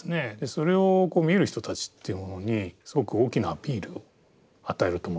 それを見る人たちっていう者にすごく大きなアピール与えると思うんですよね。